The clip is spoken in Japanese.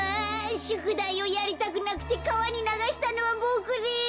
しゅくだいをやりたくなくてかわにながしたのはボクです。